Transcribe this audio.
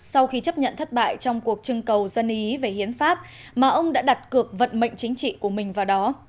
sau khi chấp nhận thất bại trong cuộc trưng cầu dân ý về hiến pháp mà ông đã đặt cược vận mệnh chính trị của mình vào đó